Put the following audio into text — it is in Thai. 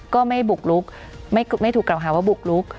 ก็ไม่บุกลุกไม่ถูกกล่าวหาว่าบุกลุก